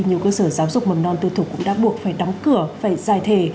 nhiều cơ sở giáo dục mầm non tư thục cũng đã buộc phải đóng cửa phải giải thể